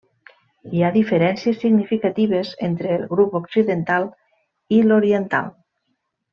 Hi ha diferències significatives entre el grup occidental i l'oriental.